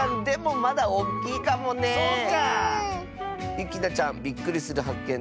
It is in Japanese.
ゆきなちゃんびっくりするはっけん